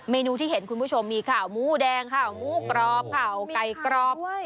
นูที่เห็นคุณผู้ชมมีข่าวหมูแดงข่าวหมูกรอบข่าวไก่กรอบ